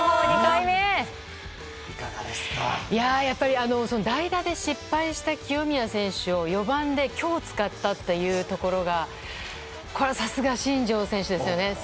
やっぱり代打で失敗した清宮選手を４番で今日使ったというところがこれはさすが新庄選手ですね。